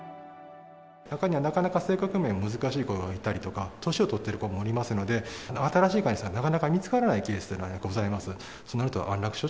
中には、なかなか性格面、難しい子がいたりとか、年を取ってる子もおりますので、新しい飼い主さんがなかなか見つからないというケースがございます。